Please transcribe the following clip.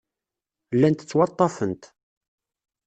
Llant ttwaḍḍafent.